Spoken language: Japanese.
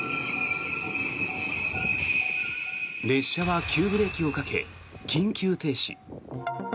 列車は急ブレーキをかけ緊急停止。